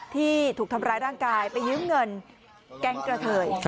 ที่ถูกทำร้ายร่างกายไปยืมเงินแก๊งกระเทย